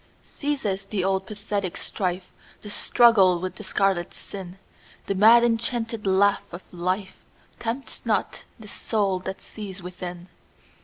Ceases the old pathetic strife, The struggle with the scarlet sin:The mad enchanted laugh of lifeTempts not the soul that sees within.